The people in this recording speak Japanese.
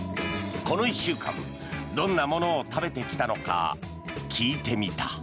この１週間どんなものを食べてきたのか聞いてみた。